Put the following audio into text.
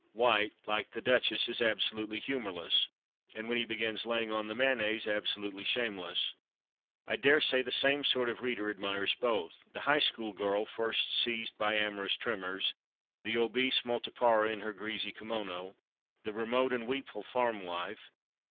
White, like "The Duchess" is absolutely humorless, and, when he begins laying on the mayonnaise, absolutely shameless. I daresay the same sort of reader admires both: the high school girl first seized by amorous tremors, the obese multipara in her greasy kimono, the remote and weepful farm wife.